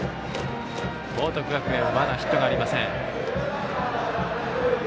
報徳学園はまだヒットがありません。